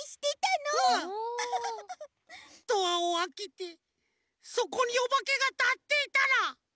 ドアをあけてそこにおばけがたっていたら！